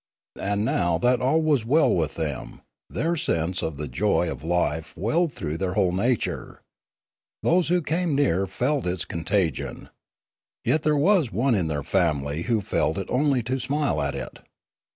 And now that all was well with them, their sense of the joy. of life welled through their whole nature. Those who came near them felt its contagion. Yet there was one in their family who felt it only to smile at it.